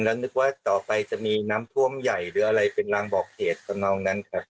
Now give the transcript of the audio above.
แล้วนึกว่าต่อไปจะมีน้ำท่วมใหญ่หรืออะไรเป็นรางบอกเหตุทำนองนั้นครับ